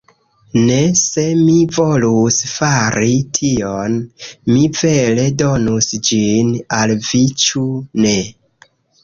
Ne! Se mi volus fari tion, mi vere donus ĝin al vi, ĉu ne?